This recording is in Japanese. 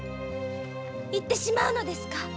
行ってしまうのですか！？